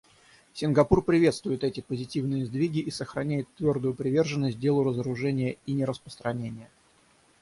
Сингапур приветствует эти позитивные сдвиги и сохраняет твердую приверженность делу разоружения и нераспространения.